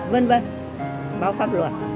vân vân báo pháp luật